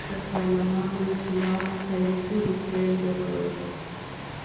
د پارلمان د وکیلانو په لیدلو پیل وکړ.